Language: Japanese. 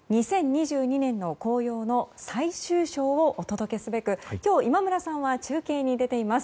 ２０２２年の紅葉の最終章をお届けすべく今日、今村さんは中継に出ています。